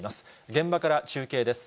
現場から中継です。